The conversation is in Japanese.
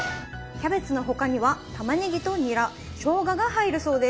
キャベツの他にはたまねぎとニラしょうがが入るそうです。